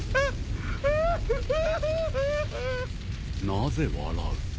なぜ笑う？